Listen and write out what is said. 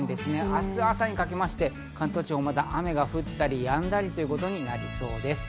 明日朝にかけて関東地方はまた雨が降ったりやんだりということになりそうです。